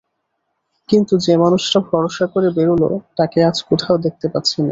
কিন্তু যে মানুষটা ভরসা করে বেরোল তাকে আজ কোথাও দেখতে পাচ্ছি নে।